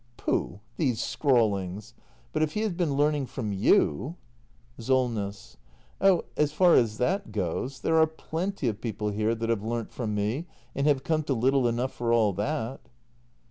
Pooh — these scrawlings! But if he has been learning from y o u SOLNESS. ■ Oh, so far as that goes there are plenty of people here that have learnt from m e , and have come to little enough for all that.